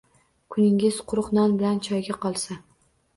Kuningiz quruq non bilan choyga qolsa